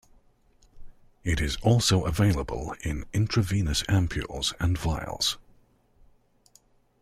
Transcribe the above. It is also available in intravenous ampules and vials.